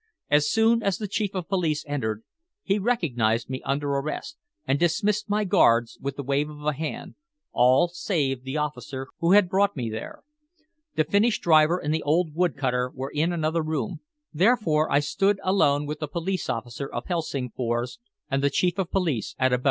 As soon as the Chief of Police entered, he recognized me under arrest, and dismissed my guards with a wave of the hand all save the officer who had brought me there. The Finnish driver and the old wood cutter were in another room, therefore I stood alone with the police officer of Helsingfors and the Chief of Police at Abo.